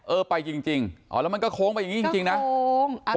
เออไปจริงจริงอ๋อแล้วมันก็โค้งไปอย่างงี้จริงจริงนะก็โค้ง